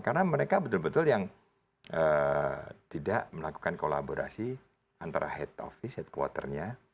karena mereka betul betul yang tidak melakukan kolaborasi antara head office headquarter nya